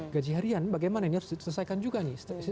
gaji harian bagaimana ini harus diselesaikan juga nih